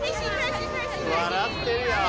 笑ってるよ。